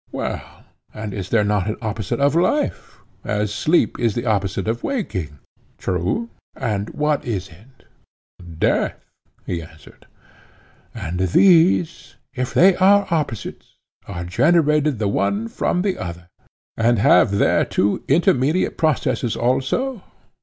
Well, and is there not an opposite of life, as sleep is the opposite of waking? True, he said. And what is it? Death, he answered. And these, if they are opposites, are generated the one from the other, and have there their two intermediate processes also?